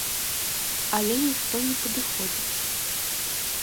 Але ніхто не падыходзіць.